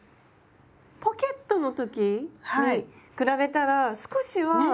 ポケットの時に比べたら少しは。ね！